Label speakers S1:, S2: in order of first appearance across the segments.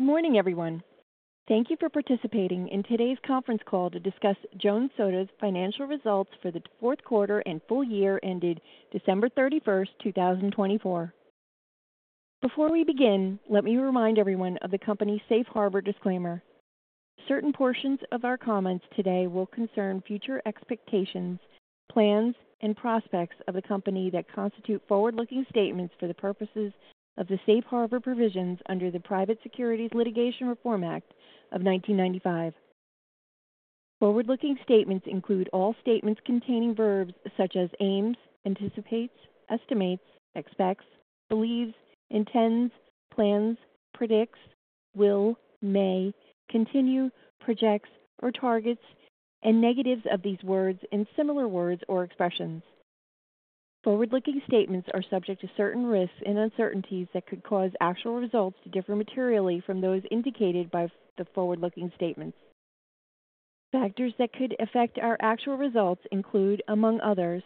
S1: Good morning, everyone. Thank you for participating in today's conference call to discuss Jones Soda's financial results for the fourth quarter and full year ended December 31, 2024. Before we begin, let me remind everyone of the company's safe harbor disclaimer. Certain portions of our comments today will concern future expectations, plans, and prospects of the company that constitute forward-looking statements for the purposes of the safe harbor provisions under the Private Securities Litigation Reform Act of 1995. Forward-looking statements include all statements containing verbs such as aims, anticipates, estimates, expects, believes, intends, plans, predicts, will, may, continue, projects, or targets, and negatives of these words and similar words or expressions. Forward-looking statements are subject to certain risks and uncertainties that could cause actual results to differ materially from those indicated by the forward-looking statements. Factors that could affect our actual results include, among others,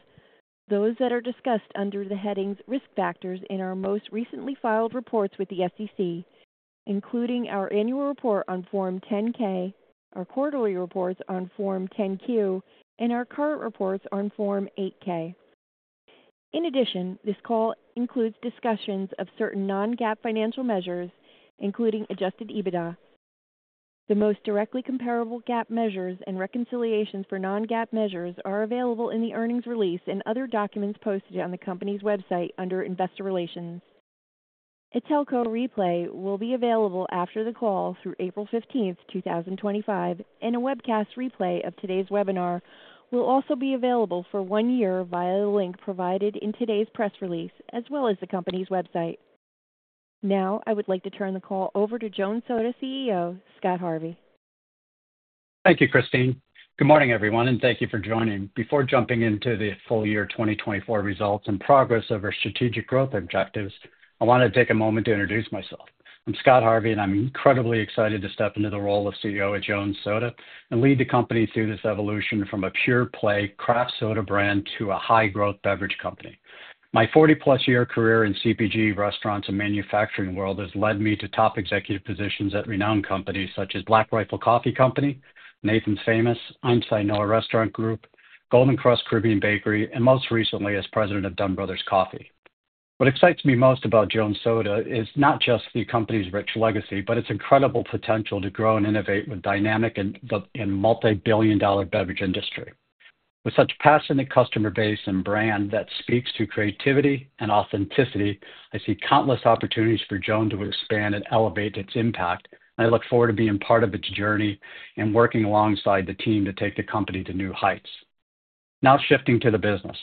S1: those that are discussed under the headings risk factors in our most recently filed reports with the SEC, including our annual report on Form 10-K, our quarterly reports on Form 10-Q, and our current reports on Form 8-K. In addition, this call includes discussions of certain non-GAAP financial measures, including adjusted EBITDA. The most directly comparable GAAP measures and reconciliations for non-GAAP measures are available in the earnings release and other documents posted on the company's website under Investor Relations. A telco replay will be available after the call through April 15th, 2025, and a webcast replay of today's webinar will also be available for one year via the link provided in today's press release, as well as the company's website. Now, I would like to turn the call over to Jones Soda CEO, Scott Harvey.
S2: Thank you, Christine. Good morning, everyone, and thank you for joining. Before jumping into the full year 2024 results and progress of our strategic growth objectives, I wanted to take a moment to introduce myself. I'm Scott Harvey, and I'm incredibly excited to step into the role of CEO at Jones Soda and lead the company through this evolution from a pure-play craft soda brand to a high-growth beverage company. My 40+ year career in CPG, restaurants, and manufacturing world has led me to top executive positions at renowned companies such as Black Rifle Coffee Company, Nathan's Famous, Einstein Noah Restaurant Group, Golden Krust Caribbean Bakery, and most recently as president of Dunn Brothers Coffee. What excites me most about Jones Soda is not just the company's rich legacy, but its incredible potential to grow and innovate with dynamic and multi-billion dollar beverage industry. With such a passionate customer base and brand that speaks to creativity and authenticity, I see countless opportunities for Jones to expand and elevate its impact, and I look forward to being part of its journey and working alongside the team to take the company to new heights. Now, shifting to the business.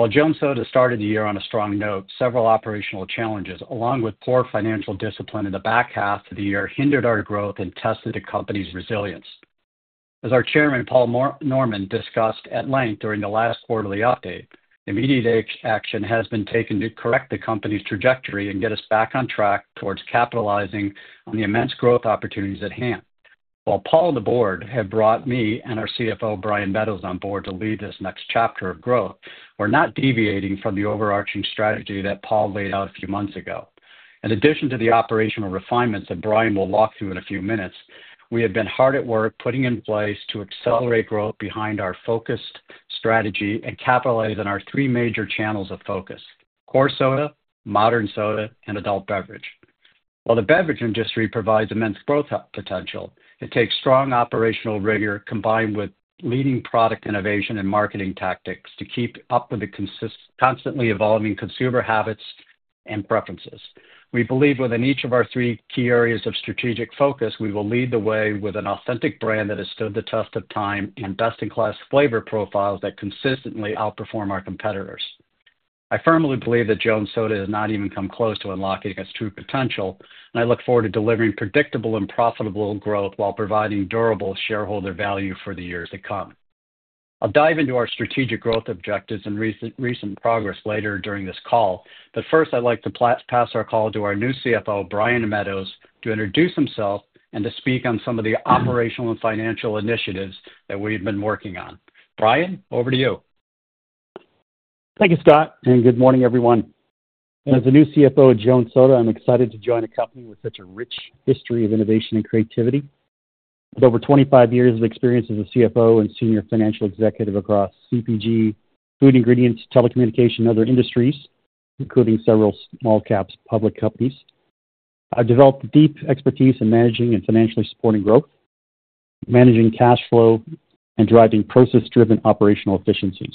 S2: While Jones Soda started the year on a strong note, several operational challenges, along with poor financial discipline in the back half of the year, hindered our growth and tested the company's resilience. As our Chairman, Paul Norman, discussed at length during the last quarterly update, immediate action has been taken to correct the company's trajectory and get us back on track towards capitalizing on the immense growth opportunities at hand. While Paul, the board, had brought me and our CFO, Brian Meadows, on board to lead this next chapter of growth, we're not deviating from the overarching strategy that Paul laid out a few months ago. In addition to the operational refinements that Brian will walk through in a few minutes, we have been hard at work putting in place to accelerate growth behind our focused strategy and capitalize on our three major channels of focus: core soda, modern soda, and adult beverage. While the beverage industry provides immense growth potential, it takes strong operational rigor combined with leading product innovation and marketing tactics to keep up with the constantly evolving consumer habits and preferences. We believe within each of our three key areas of strategic focus, we will lead the way with an authentic brand that has stood the test of time and best-in-class flavor profiles that consistently outperform our competitors. I firmly believe that Jones Soda has not even come close to unlocking its true potential, and I look forward to delivering predictable and profitable growth while providing durable shareholder value for the years to come. I'll dive into our strategic growth objectives and recent progress later during this call, but first, I'd like to pass our call to our new CFO, Brian Meadows, to introduce himself and to speak on some of the operational and financial initiatives that we've been working on. Brian, over to you.
S3: Thank you, Scott, and good morning, everyone. As the new CFO at Jones Soda, I'm excited to join a company with such a rich history of innovation and creativity. With over 25 years of experience as a CFO and senior financial executive across CPG, food ingredients, telecommunication, and other industries, including several small-cap public companies, I've developed deep expertise in managing and financially supporting growth, managing cash flow, and driving process-driven operational efficiencies.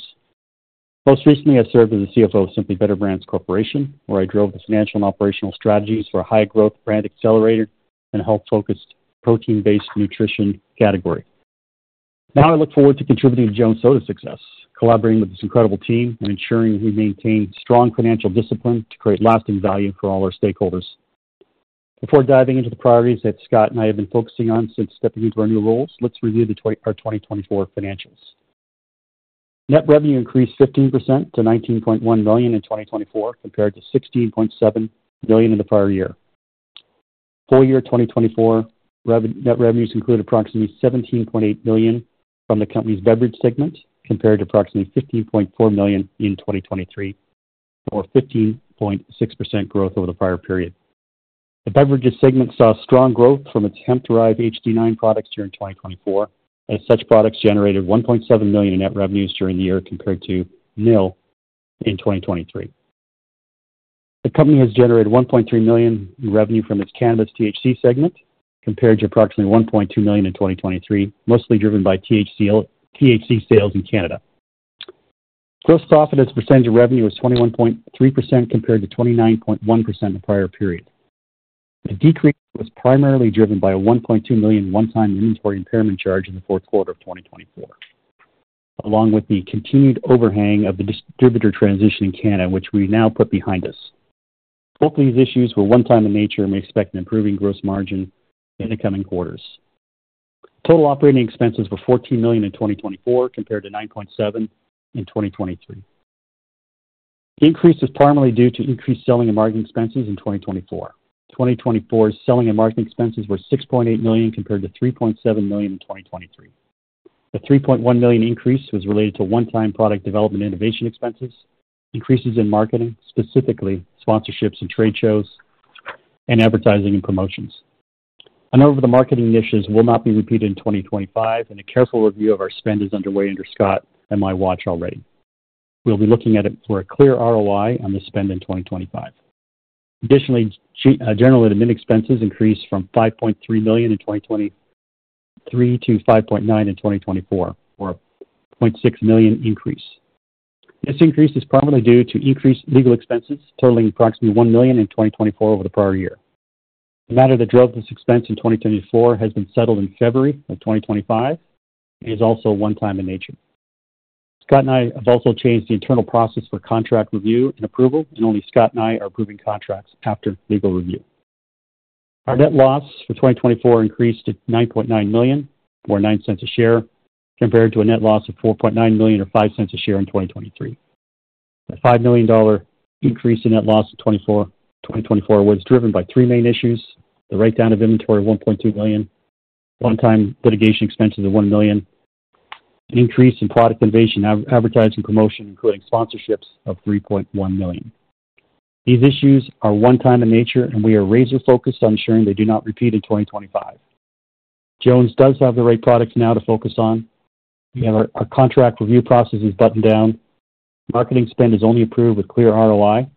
S3: Most recently, I served as the CFO of Simply Better Brands Corporation, where I drove the financial and operational strategies for a high-growth brand accelerator and health-focused protein-based nutrition category. Now, I look forward to contributing to Jones Soda's success, collaborating with this incredible team, and ensuring we maintain strong financial discipline to create lasting value for all our stakeholders. Before diving into the priorities that Scott and I have been focusing on since stepping into our new roles, let's review our 2024 financials. Net revenue increased 15% to $19.1 million in 2024, compared to $16.7 million in the prior year. Full year 2024 net revenues included approximately $17.8 million from the company's beverage segment, compared to approximately $15.4 million in 2023, or 15.6% growth over the prior period. The beverage segment saw strong growth from its hemp-derived HD9 products during 2024, as such products generated $1.7 million in net revenues during the year compared to nil in 2023. The company has generated $1.3 million in revenue from its cannabis THC segment, compared to approximately $1.2 million in 2023, mostly driven by THC sales in Canada. Gross profit as a percentage of revenue was 21.3% compared to 29.1% in the prior period. The decrease was primarily driven by a $1.2 million one-time inventory impairment charge in the fourth quarter of 2024, along with the continued overhang of the distributor transition in Canada, which we now put behind us. Both of these issues were one-time in nature and may expect an improving gross margin in the coming quarters. Total operating expenses were $14 million in 2024, compared to $9.7 million in 2023. The increase was primarily due to increased selling and marketing expenses in 2024. 2024's selling and marketing expenses were $6.8 million compared to $3.7 million in 2023. The $3.1 million increase was related to one-time product development and innovation expenses, increases in marketing, specifically sponsorships and trade shows, and advertising and promotions. An over-the-market initiative will not be repeated in 2025, and a careful review of our spend is underway under Scott and my watch already. We'll be looking at it for a clear ROI on the spend in 2025. Additionally, general admin expenses increased from $5.3 million in 2023 to $5.9 million in 2024, or a $0.6 million increase. This increase is primarily due to increased legal expenses totaling approximately $1 million in 2024 over the prior year. The matter that drove this expense in 2024 has been settled in February of 2025 and is also one-time in nature. Scott and I have also changed the internal process for contract review and approval, and only Scott and I are approving contracts after legal review. Our net loss for 2024 increased to $9.9 million, or $0.09 a share, compared to a net loss of $4.9 million, or $0.05 a share, in 2023. The $5 million increase in net loss in 2024 was driven by three main issues: the write-down of inventory of $1.2 million, one-time litigation expenses of $1 million, and an increase in product innovation and advertising promotion, including sponsorships, of $3.1 million. These issues are one-time in nature, and we are razor-focused on ensuring they do not repeat in 2025. Jones does have the right products now to focus on. We have our contract review processes buttoned down. Marketing spend is only approved with clear ROI,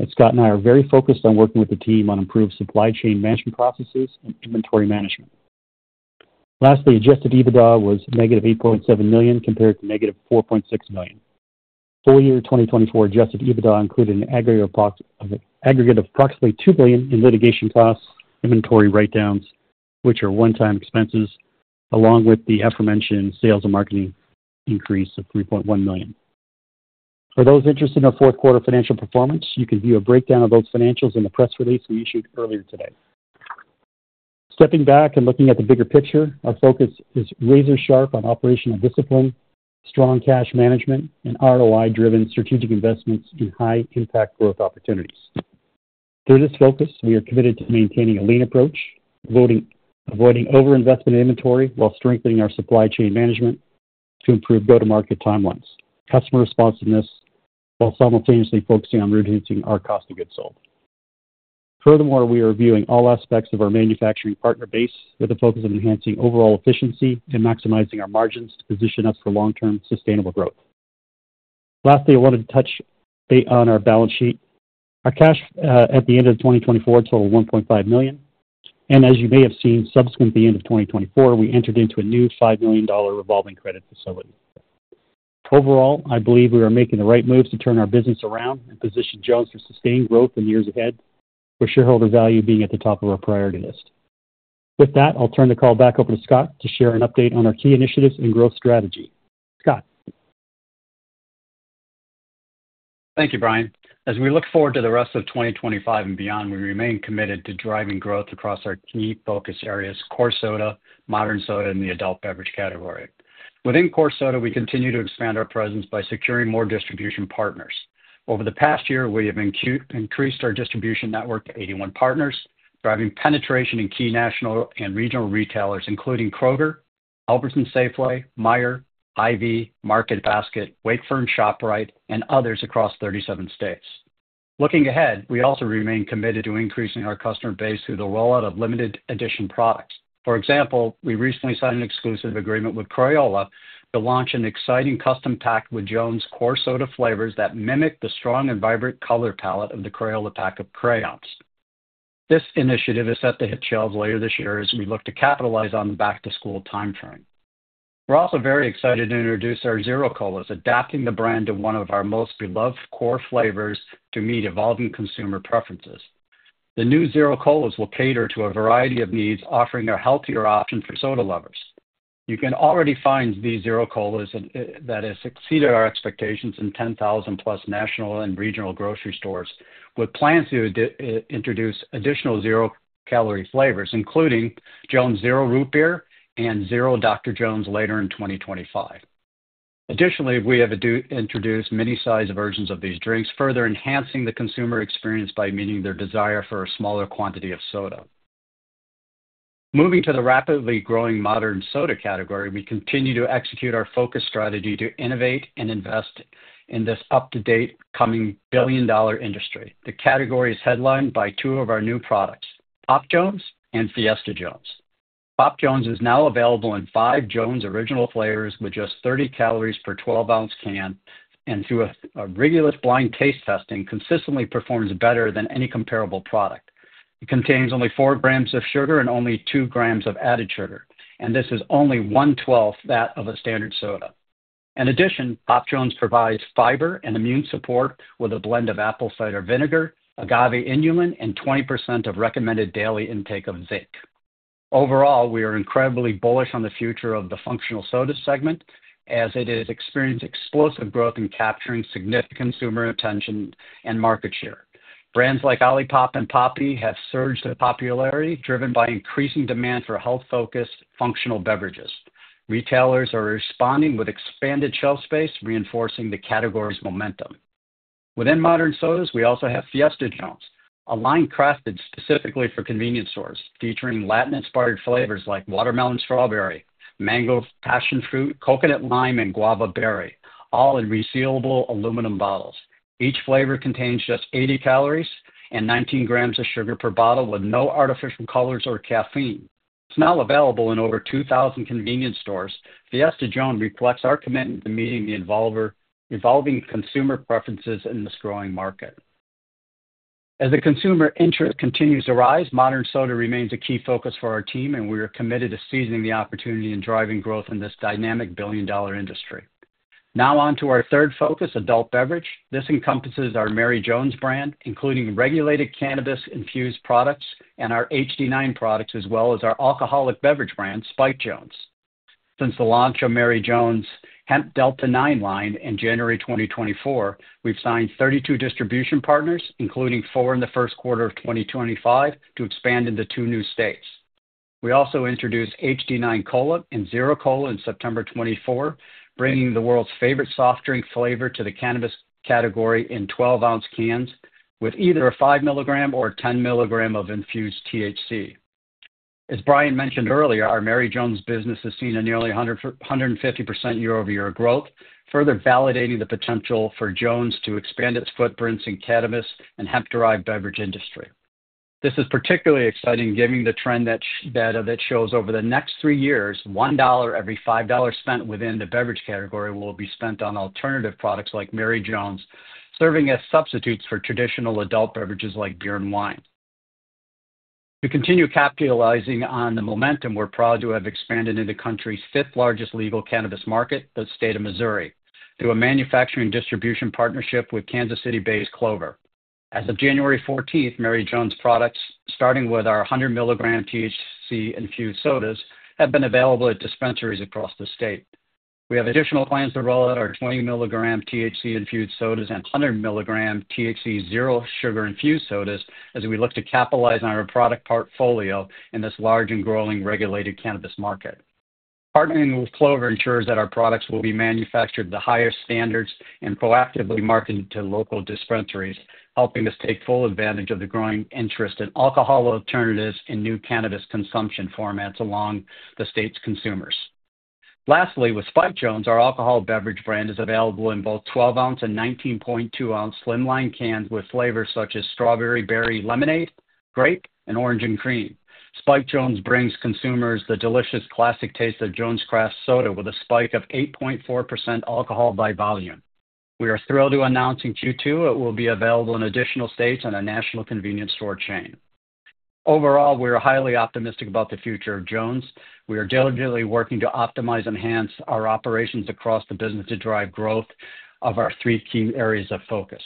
S3: and Scott and I are very focused on working with the team on improved supply chain management processes and inventory management. Lastly, adjusted EBITDA was -$8.7 million compared to -$4.6 million. Full year 2024 adjusted EBITDA included an aggregate of approximately $2 billion in litigation costs, inventory write-downs, which are one-time expenses, along with the aforementioned sales and marketing increase of $3.1 million. For those interested in our fourth quarter financial performance, you can view a breakdown of those financials in the press release we issued earlier today. Stepping back and looking at the bigger picture, our focus is razor-sharp on operational discipline, strong cash management, and ROI-driven strategic investments in high-impact growth opportunities. Through this focus, we are committed to maintaining a lean approach, avoiding over-investment in inventory while strengthening our supply chain management to improve go-to-market timelines, customer responsiveness, while simultaneously focusing on reducing our cost of goods sold. Furthermore, we are reviewing all aspects of our manufacturing partner base with a focus on enhancing overall efficiency and maximizing our margins to position us for long-term sustainable growth. Lastly, I wanted to touch on our balance sheet. Our cash at the end of 2024 totaled $1.5 million, and as you may have seen, subsequent to the end of 2024, we entered into a new $5 million revolving credit facility. Overall, I believe we are making the right moves to turn our business around and position Jones for sustained growth in years ahead, with shareholder value being at the top of our priority list. With that, I'll turn the call back over to Scott to share an update on our key initiatives and growth strategy. Scott.
S2: Thank you, Brian. As we look forward to the rest of 2025 and beyond, we remain committed to driving growth across our key focus areas: core soda, modern soda, and the adult beverage category. Within core soda, we continue to expand our presence by securing more distribution partners. Over the past year, we have increased our distribution network to 81 partners, driving penetration in key national and regional retailers, including Kroger, Albertsons Safeway, Meijer, Hy-Vee, Market Basket, Wakefern ShopRite, and others across 37 states. Looking ahead, we also remain committed to increasing our customer base through the rollout of limited-edition products. For example, we recently signed an exclusive agreement with Crayola to launch an exciting custom pack with Jones core soda flavors that mimic the strong and vibrant color palette of the Crayola pack of crayons. This initiative is set to hit shelves later this year as we look to capitalize on the back-to-school timeframe. We're also very excited to introduce our Zero Colas, adapting the brand to one of our most beloved core flavors to meet evolving consumer preferences. The new Zero Colas will cater to a variety of needs, offering a healthier option for soda lovers. You can already find these Zero Colas that have exceeded our expectations in 10,000+ national and regional grocery stores, with plans to introduce additional zero-calorie flavors, including Jones Zero Root Beer and Zero Dr. Jones later in 2025. Additionally, we have introduced mini-sized versions of these drinks, further enhancing the consumer experience by meeting their desire for a smaller quantity of soda. Moving to the rapidly growing modern soda category, we continue to execute our focus strategy to innovate and invest in this up-to-date coming billion-dollar industry. The category is headlined by two of our new products, Pop Jones and Fiesta Jones. Pop Jones is now available in five Jones original flavors with just 30 calories per 12 oz can, and through a rigorous blind taste testing, consistently performs better than any comparable product. It contains only 4 g of sugar and only 2 g of added sugar, and this is only one-twelfth that of a standard soda. In addition, Pop Jones provides fiber and immune support with a blend of apple cider vinegar, agave inulin, and 20% of recommended daily intake of zinc. Overall, we are incredibly bullish on the future of the functional soda segment, as it has experienced explosive growth in capturing significant consumer attention and market share. Brands like Olipop and Poppi have surged in popularity, driven by increasing demand for health-focused functional beverages. Retailers are responding with expanded shelf space, reinforcing the category's momentum. Within modern sodas, we also have Fiesta Jones, a line crafted specifically for convenience stores, featuring Latin-inspired flavors like watermelon strawberry, mango, passion fruit, coconut lime, and guava berry, all in resealable aluminum bottles. Each flavor contains just 80 cal and 19 g of sugar per bottle, with no artificial colors or caffeine. It's now available in over 2,000 convenience stores. Fiesta Jones reflects our commitment to meeting the evolving consumer preferences in this growing market. As the consumer interest continues to rise, modern soda remains a key focus for our team, and we are committed to seizing the opportunity and driving growth in this dynamic billion-dollar industry. Now on to our third focus, adult beverage. This encompasses our Mary Jones brand, including regulated cannabis-infused products and our HD9 products, as well as our alcoholic beverage brand, Spiked Jones. Since the launch of Mary Jones' hemp Delta-9 line in January 2024, we've signed 32 distribution partners, including four in the first quarter of 2025, to expand into two new states. We also introduced HD9 Cola and Zero Cola in September 2024, bringing the world's favorite soft drink flavor to the cannabis category in 12 oz cans with either a 5 mg or a 10 mg of infused THC. As Brian mentioned earlier, our Mary Jones business has seen a nearly 150% year-over-year growth, further validating the potential for Jones to expand its footprints in the cannabis and hemp-derived beverage industry. This is particularly exciting, given the trend that shows over the next three years, $1 every $5 spent within the beverage category will be spent on alternative products like Mary Jones, serving as substitutes for traditional adult beverages like beer and wine. To continue capitalizing on the momentum, we're proud to have expanded into the country's fifth-largest legal cannabis market, the state of Missouri, through a manufacturing distribution partnership with Kansas City-based Clovr. As of January 14, Mary Jones products, starting with our 100-milligram THC-infused sodas, have been available at dispensaries across the state. We have additional plans to roll out our 20 mg THC-infused sodas and 100 mg THC-zero sugar-infused sodas as we look to capitalize on our product portfolio in this large and growing regulated cannabis market. Partnering with Clovr ensures that our products will be manufactured to the highest standards and proactively marketed to local dispensaries, helping us take full advantage of the growing interest in alcohol alternatives and new cannabis consumption formats among the state's consumers. Lastly, with Spiked Jones, our alcohol beverage brand is available in both 12 oz and 19.2 oz slimline cans with flavors such as strawberry, berry, lemonade, grape, and orange and cream. Spiked Jones brings consumers the delicious classic taste of Jones Craft Soda with a spike of 8.4% alcohol by volume. We are thrilled to announce in Q2 it will be available in additional states and a national convenience store chain. Overall, we are highly optimistic about the future of Jones. We are diligently working to optimize and enhance our operations across the business to drive growth of our three key areas of focus.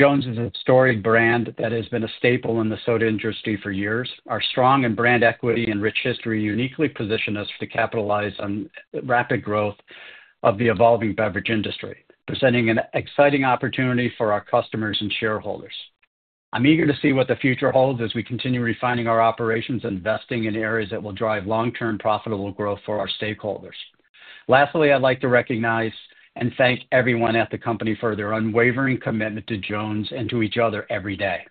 S2: Jones is a historic brand that has been a staple in the soda industry for years. Our strong brand equity and rich history uniquely position us to capitalize on the rapid growth of the evolving beverage industry, presenting an exciting opportunity for our customers and shareholders. I'm eager to see what the future holds as we continue refining our operations and investing in areas that will drive long-term profitable growth for our stakeholders. Lastly, I'd like to recognize and thank everyone at the company for their unwavering commitment to Jones and to each other every day.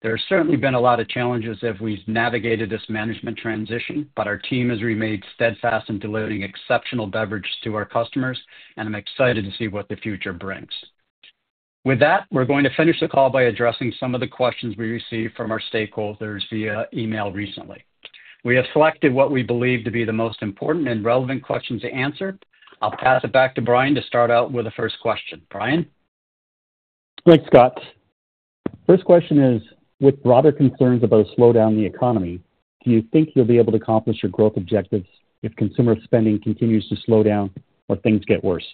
S2: There have certainly been a lot of challenges as we've navigated this management transition, but our team has remained steadfast in delivering exceptional beverages to our customers, and I'm excited to see what the future brings. With that, we're going to finish the call by addressing some of the questions we received from our stakeholders via email recently. We have selected what we believe to be the most important and relevant questions to answer. I'll pass it back to Brian to start out with the first question. Brian?
S3: Thanks, Scott. First question is, with broader concerns about a slowdown in the economy, do you think you'll be able to accomplish your growth objectives if consumer spending continues to slow down or things get worse?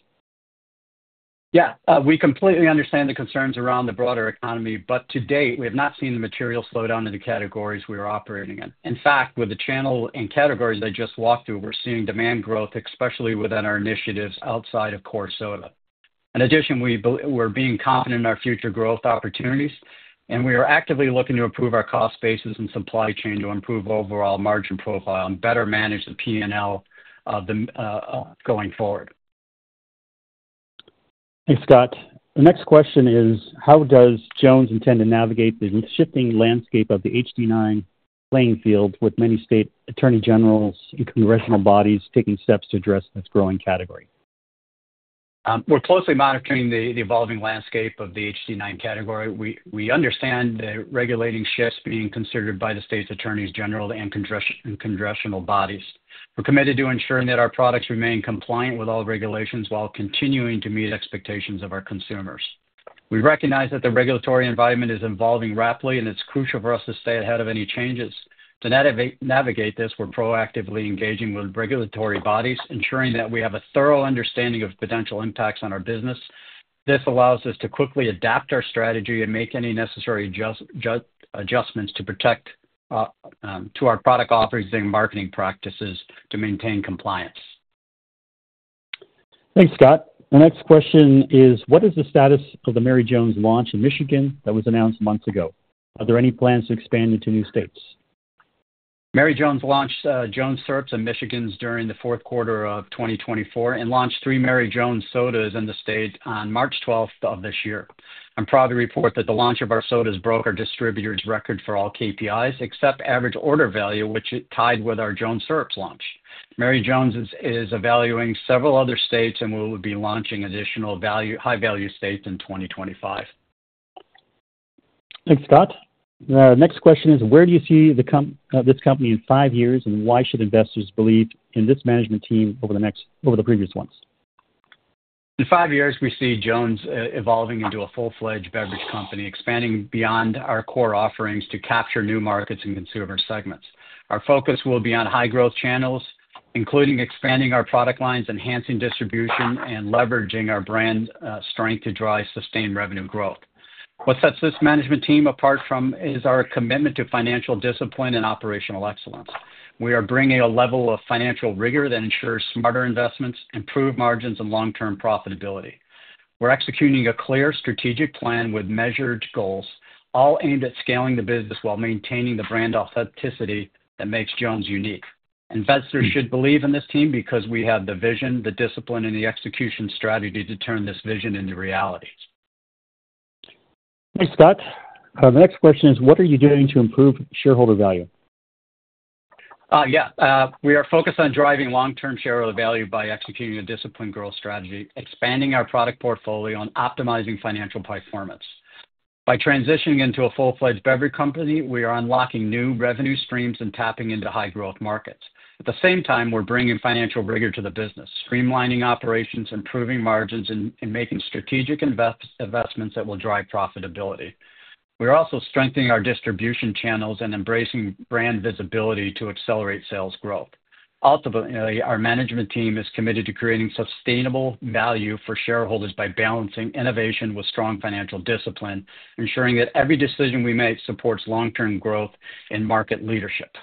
S2: Yeah. We completely understand the concerns around the broader economy, but to date, we have not seen the material slowdown in the categories we are operating in. In fact, with the channel and categories I just walked through, we're seeing demand growth, especially within our initiatives outside of core soda. In addition, we're being confident in our future growth opportunities, and we are actively looking to improve our cost basis and supply chain to improve overall margin profile and better manage the P&L going forward.
S3: Thanks, Scott. The next question is, how does Jones intend to navigate the shifting landscape of the HD9 playing field with many state attorney generals and congressional bodies taking steps to address this growing category?
S2: We're closely monitoring the evolving landscape of the HD9 category. We understand the regulating shifts being considered by the state's attorneys general and congressional bodies. We're committed to ensuring that our products remain compliant with all regulations while continuing to meet expectations of our consumers. We recognize that the regulatory environment is evolving rapidly, and it's crucial for us to stay ahead of any changes. To navigate this, we're proactively engaging with regulatory bodies, ensuring that we have a thorough understanding of potential impacts on our business. This allows us to quickly adapt our strategy and make any necessary adjustments to our product offerings and marketing practices to maintain compliance.
S3: Thanks, Scott. The next question is, what is the status of the Mary Jones launch in Michigan that was announced months ago? Are there any plans to expand into new states?
S2: Mary Jones launched Jones Syrups in Michigan during the fourth quarter of 2024 and launched three Mary Jones sodas in the state on March 12 of this year. I'm proud to report that the launch of our sodas broke our distributor's record for all KPIs except average order value, which tied with our Jones Syrups launch. Mary Jones is evaluating several other states, and we will be launching additional high-value states in 2025.
S3: Thanks, Scott. The next question is, where do you see this company in five years, and why should investors believe in this management team over the previous ones?
S2: In five years, we see Jones evolving into a full-fledged beverage company, expanding beyond our core offerings to capture new markets and consumer segments. Our focus will be on high-growth channels, including expanding our product lines, enhancing distribution, and leveraging our brand strength to drive sustained revenue growth. What sets this management team apart is our commitment to financial discipline and operational excellence. We are bringing a level of financial rigor that ensures smarter investments, improved margins, and long-term profitability. We're executing a clear strategic plan with measured goals, all aimed at scaling the business while maintaining the brand authenticity that makes Jones unique. Investors should believe in this team because we have the vision, the discipline, and the execution strategy to turn this vision into reality.
S3: Thanks, Scott. The next question is, what are you doing to improve shareholder value?
S2: Yeah. We are focused on driving long-term shareholder value by executing a disciplined growth strategy, expanding our product portfolio, and optimizing financial performance. By transitioning into a full-fledged beverage company, we are unlocking new revenue streams and tapping into high-growth markets. At the same time, we're bringing financial rigor to the business, streamlining operations, improving margins, and making strategic investments that will drive profitability. We are also strengthening our distribution channels and embracing brand visibility to accelerate sales growth. Ultimately, our management team is committed to creating sustainable value for shareholders by balancing innovation with strong financial discipline, ensuring that every decision we make supports long-term growth and market leadership.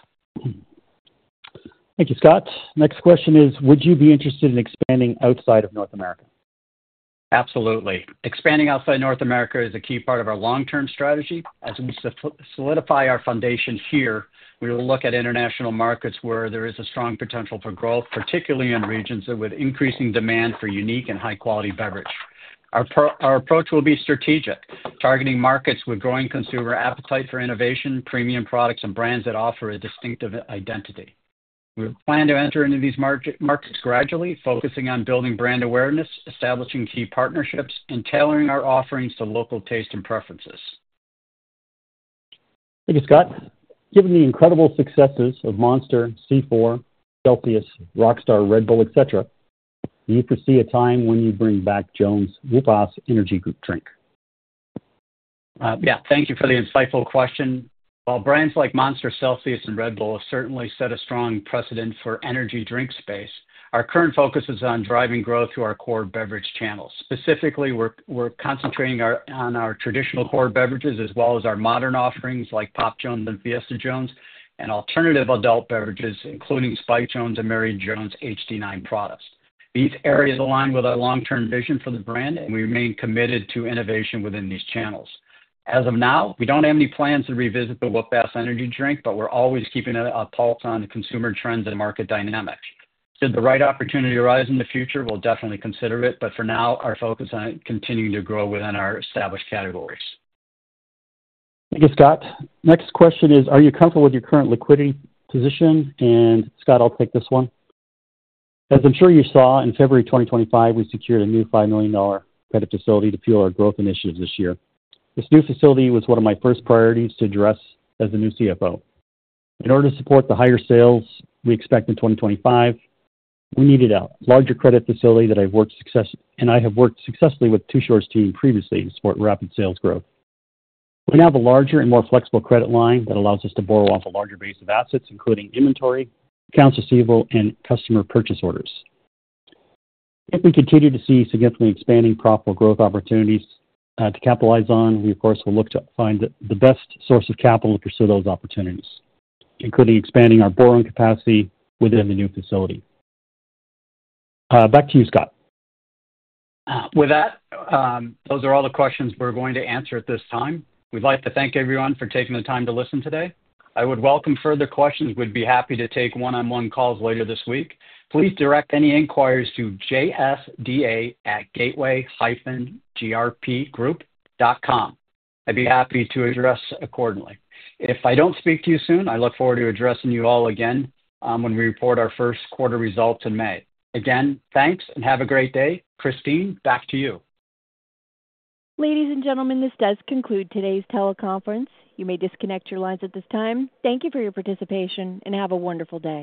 S3: Thank you, Scott. Next question is, would you be interested in expanding outside of North America?
S2: Absolutely. Expanding outside North America is a key part of our long-term strategy. As we solidify our foundation here, we will look at international markets where there is a strong potential for growth, particularly in regions with increasing demand for unique and high-quality beverage. Our approach will be strategic, targeting markets with growing consumer appetite for innovation, premium products, and brands that offer a distinctive identity. We plan to enter into these markets gradually, focusing on building brand awareness, establishing key partnerships, and tailoring our offerings to local tastes and preferences.
S3: Thank you, Scott. Given the incredible successes of Monster, C4, Celsius, Rockstar, Red Bull, etc., do you foresee a time when you bring back Jones' WhoopAss Energy Drink?
S2: Yeah. Thank you for the insightful question. While brands like Monster, Celsius, and Red Bull have certainly set a strong precedent for the energy drink space, our current focus is on driving growth through our core beverage channels. Specifically, we're concentrating on our traditional core beverages as well as our modern offerings like Pop Jones and Fiesta Jones, and alternative adult beverages, including Spiked Jones and Mary Jones HD9 products. These areas align with our long-term vision for the brand, and we remain committed to innovation within these channels. As of now, we don't have any plans to revisit the WhoopAss Energy Drink, but we're always keeping a pulse on consumer trends and market dynamics. Should the right opportunity arise in the future, we'll definitely consider it, but for now, our focus is on continuing to grow within our established categories.
S3: Thank you, Scott. Next question is, are you comfortable with your current liquidity position? Scott, I'll take this one. As I'm sure you saw, in February 2025, we secured a new $5 million credit facility to fuel our growth initiative this year. This new facility was one of my first priorities to address as the new CFO. In order to support the higher sales we expect in 2025, we needed a larger credit facility that I have worked successfully with Tusker's team previously to support rapid sales growth. We now have a larger and more flexible credit line that allows us to borrow off a larger base of assets, including inventory, accounts receivable, and customer purchase orders. If we continue to see significantly expanding profitable growth opportunities to capitalize on, we, of course, will look to find the best source of capital to pursue those opportunities, including expanding our borrowing capacity within the new facility. Back to you, Scott.
S2: With that, those are all the questions we're going to answer at this time. We'd like to thank everyone for taking the time to listen today. I would welcome further questions. We'd be happy to take one-on-one calls later this week. Please direct any inquiries to jsda@gateway-grpgroup.com. I'd be happy to address accordingly. If I don't speak to you soon, I look forward to addressing you all again when we report our first quarter results in May. Again, thanks, and have a great day. Christine, back to you.
S1: Ladies and gentlemen, this does conclude today's teleconference. You may disconnect your lines at this time. Thank you for your participation, and have a wonderful day.